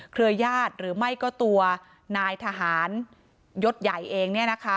เครือญาติหรือไม่ก็ตัวนายทหารยศใหญ่เอง